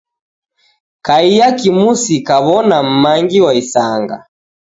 Kaiya kimusi kaw'ona m'mangi wa isanga.